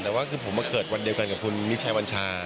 แต่ว่าคือผมมาเกิดวันเดียวกันกับคุณมิชัยวัญชา